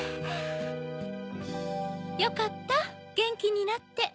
よかったゲンキになって。